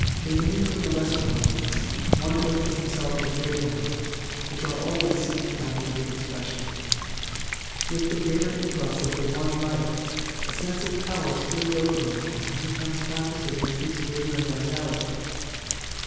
Immune from the lesser harmonies, one opens himself to the greater ones, which are always seeking avenues of expression. With the greater influx of the One Life, a sense of power steals over one and he becomes conscious of increased vigor and vitality.